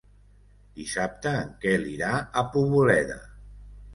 Dissabte en Quel irà a Poboleda.